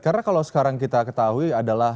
karena kalau sekarang kita ketahui adalah